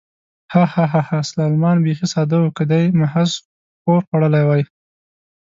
ها، ها، ها، سلمان بېخي ساده و، که دې محض ښور خوړلی وای.